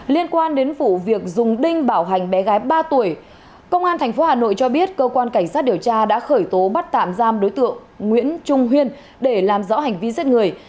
liên quan đến vụ việc dùng đinh bảo hành bé gái ba tuổi công an tp hà nội cho biết cơ quan cảnh sát điều tra đã khởi tố bắt tạm giam đối tượng nguyễn trung huyên để làm rõ hành vi giết người